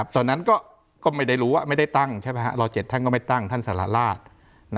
ตอนนั้นก็ไม่ได้รู้ว่าไม่ได้ตั้งใช่ไหมรอ๗ท่านก็ไม่ตั้งท่านสารราช